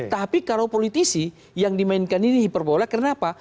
tapi kalau politisi yang dimainkan ini hiperbola kenapa